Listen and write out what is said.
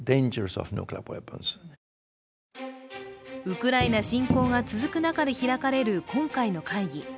ウクライナ侵攻が続く中で開かれる今回の会議。